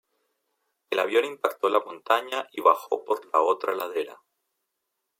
El avión impactó la montaña y bajó por la otra ladera.